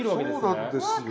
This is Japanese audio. そうなんですよ。